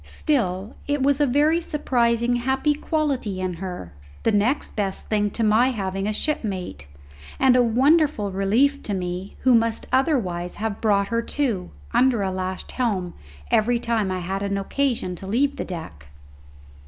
Still, it was a very surprising happy quality in her, the next best thing to my having a shipmate, and a wonderful relief to me who must otherwise have brought her to, under a lashed helm, every time I had occasion to leave the deck.